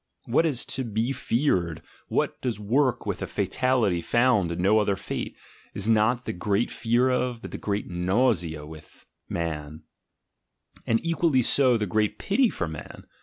What is to be feared, what does work with a fatality found in no other fate, is not the great fear of, but the great nausea with, man; and equally so the great pity for man.